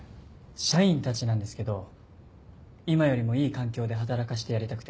社員たちなんですけど今よりもいい環境で働かせてやりたくて。